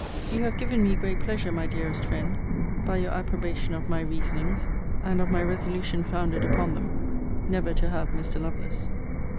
You have given me great pleasure, my dearest friend, by your approbation of my reasonings, and of my resolution founded upon them, never to have Mr. Lovelace.